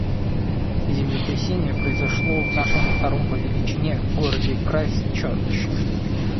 Землетрясение произошло в нашем втором по величине городе Крайстчёрч.